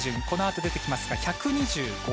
このあと出てきますが１２５ｍ。